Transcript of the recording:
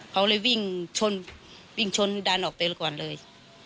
เขาเลยวิ่งชนดันออกไปก่อนเลย